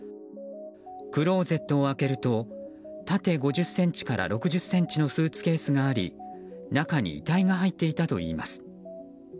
クローゼットを開けると縦５０ｃｍから６０ｃｍのスーツケースがあり、中に遺体が入っていたといいます。